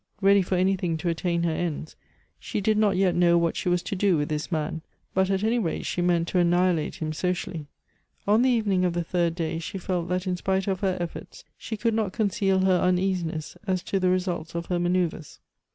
Ready for anything to attain her ends, she did not yet know what she was to do with this man; but at any rate she meant to annihilate him socially. On the evening of the third day she felt that in spite of her efforts she could not conceal her uneasiness as to the results of her manoeuvres.